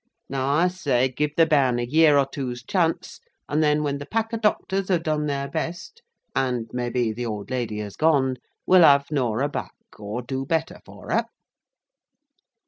Now, I say, give the bairn a year or two's chance, and then, when the pack of doctors have done their best—and, maybe, the old lady has gone—we'll have Norah back, or do better for her."